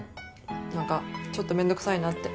なんかちょっと面倒くさいなって。